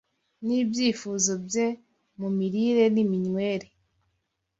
n’ibyifuzo bye mu mirire n’iminywere.